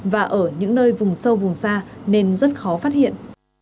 và ở những nơi vùng sâu vùng xa nên rất khó phát hiện